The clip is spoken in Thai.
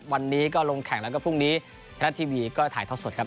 วันนี้ก็ลงแข่งแล้วก็พรุ่งนี้ทรัฐทีวีก็ถ่ายทอดสดครับ